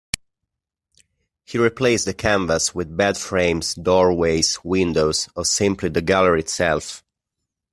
He replaced the canvas with bed frames, doorways, windows or simply the gallery itself.